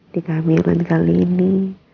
di kehamilan kali ini